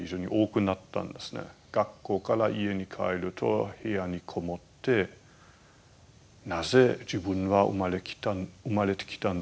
学校から家に帰ると部屋に籠もってなぜ自分は生まれてきたんだろう。